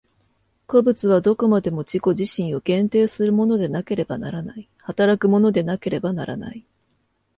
個物はどこまでも自己自身を限定するものでなければならない、働くものでなければならない。